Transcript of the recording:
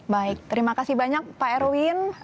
baik terima kasih banyak pak erwin